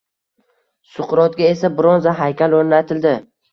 Suqrotga esa bronza haykal o‘rnatildi